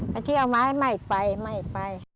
ไปเที่ยวไหมไม่ไปไม่ไป